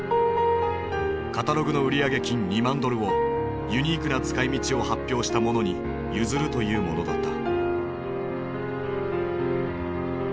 カタログの売上金２万ドルをユニークな使いみちを発表した者に譲るというものだった。